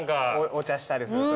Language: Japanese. お茶したりするときね。